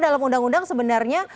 dalam undang undang sebenarnya